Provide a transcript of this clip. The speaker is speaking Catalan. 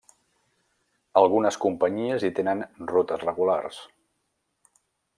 Algunes companyies hi tenen rutes regulars.